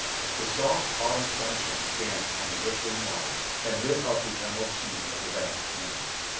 The soft autumn sunshine danced on the rippling waters and lit up the emerald sheen of the banks beyond.